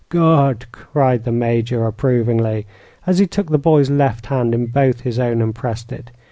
"Good!" cried the Major, approvingly, as he took the boy's left hand in both his own and pressed it.